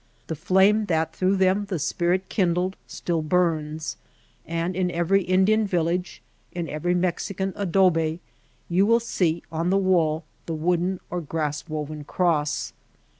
The flame, that through them the Spirit kindled, still burns ; and in every Indian village, in every Mexican adobe, you will see on the wall the wooden or grass woven cross.